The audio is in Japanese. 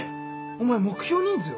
お前目標人数は？